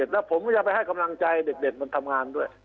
แล้วผมก็จะไปให้กำลังใจเด็กมันทำงานด้วย